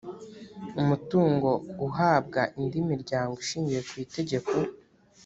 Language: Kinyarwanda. umutungo uhabwa indi miryango ishingiye ku itegeko